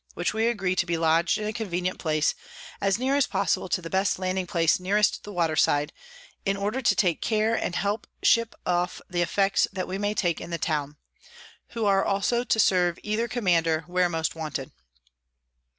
_which we agree to be lodg'd in a convenient place, as near as possible to the best Landing place nearest the Water side, in order to take care and help ship off the Effects that we may take in the Town; who are also to serve either Commander, where most wanted.